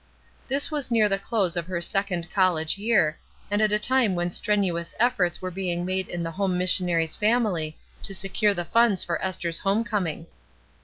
This was near the close of her second college year, and at a time when strenuous efforts were being made in the home missionary's family to secure the funds for Esther's home coming.